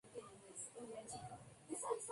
La edición se agotó en tres días.